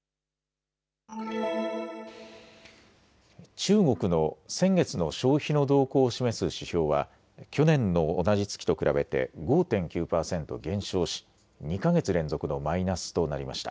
中国の先月の消費の動向を示す指標は去年の同じ月と比べて５．９％減少し２か月連続のマイナスとなりました。